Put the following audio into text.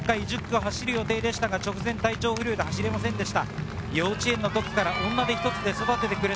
前回１０区を走る予定でしたが、直前に体調不良で走れませんでした。